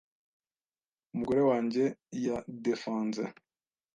umugore wajye ya defanze,